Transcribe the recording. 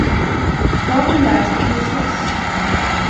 Ta av den där, så kan vi slåss!